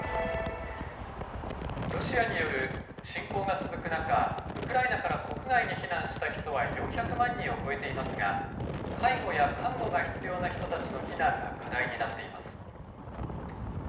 ロシアによる侵攻が続く中、ウクライナから国外に避難した人は４００万人を超えていますが介護や看護が必要な人たちの避難が課題になっています。